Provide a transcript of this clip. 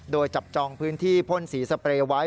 โดยจับจองพื้นที่พ่นสีสเปรย์ไว้